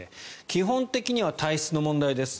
基本的には体質の問題です。